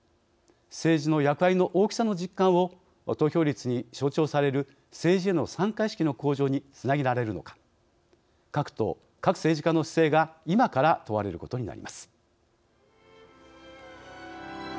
政治の役割の大きさの実感を投票率に象徴される政治への参加意識の向上につなげられるのか各党各政治家の姿勢が今から問われることになります。